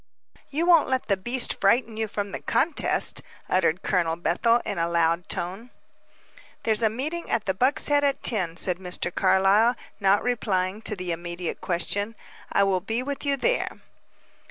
"You won't let the beast frighten you from the contest!" uttered Colonel Bethel in a loud tone. "There's a meeting at the Buck's Head at ten," said Mr. Carlyle, not replying to the immediate question. "I will be with you there."